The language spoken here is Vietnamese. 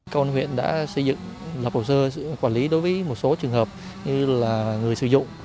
công an huyện đã xây dựng lập hồ sơ quản lý đối với một số trường hợp như là người sử dụng